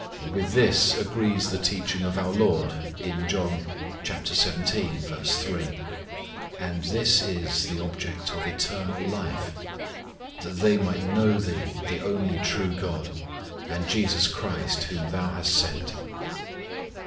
With this agrees the teaching of our LORD in John xvii. 3: "And this is (the object of) life eternal, that they might know Thee the only true GOD, and JESUS CHRIST, whom Thou hast sent."